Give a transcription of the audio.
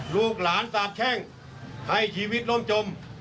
ลูกหลานสาบแช่งให้ชีวิตล่มจม